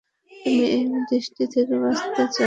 তুমি এই দৃষ্টি থেকে বাঁচতে চাও।